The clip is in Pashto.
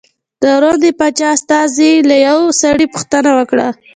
د روم د پاچا استازي له یوه سړي پوښتنه وکړه.